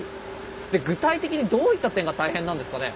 具体的にどういった点が大変なんですかね？